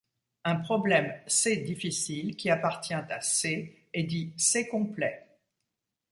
Un problème C-difficile qui appartient à C est dit C-complet.